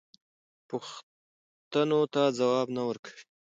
پوښتنو ته ځواب نه ورکوي.